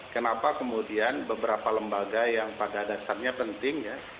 kenapa kemudian beberapa lembaga yang pada dasarnya penting ya